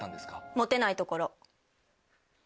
モテないところ。